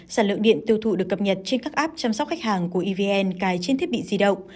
sản lượng điện tiêu thụ được cập nhật trên các app chăm sóc khách hàng của evn cài trên thiết bị di động